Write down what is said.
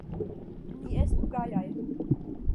Ni estu gajaj!